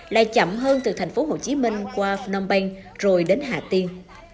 lại chậm hơn từ thành phố hồ chí minh qua phnom penh rồi đến hà tiên